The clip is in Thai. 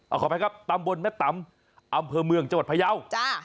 เอาขออภัยครับตำบลแม่ตำอำเภอเมืองจังหวัดพยาว